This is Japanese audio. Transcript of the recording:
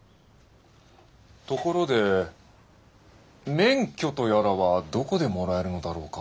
ところで免許とやらはどこでもらえるのだろうか？